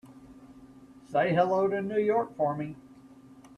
Say hello to New York for me.